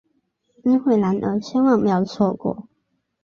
机会难得，千万不要错过！